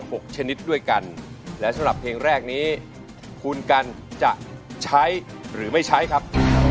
หกชนิดด้วยกันและสำหรับเพลงแรกนี้คุณกันจะใช้หรือไม่ใช้ครับ